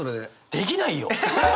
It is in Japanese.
できないよ！